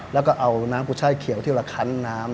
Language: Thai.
แล้วก็เอาน้ำกุช่ายเขียวที่เราคันน้ำ